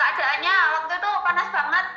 keadaannya waktu itu panas banget